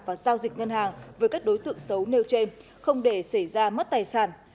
và giao dịch ngân hàng với các đối tượng xấu nêu trên không để xảy ra mất tài sản